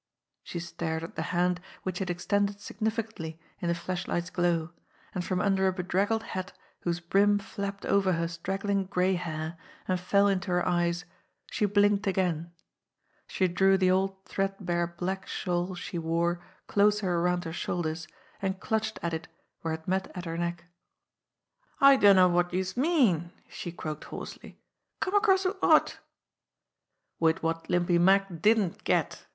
She stared at the hand which he had extended significantly in the flashlight's glow, and from under a bedraggled hat whose brim flapped over her straggling gray hair and fell into her eyes, she blinked again ; she drew the old threadbare black shawl she wore closer around her shoulders, and clutched at it where it met at her neck. "I dunno wot youse mean," she croaked hoarsely. "Come across wid wot?" "With what Limpy Mack didn't get."